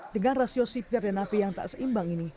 dengan rasio sipir dan api yang tak seimbang ini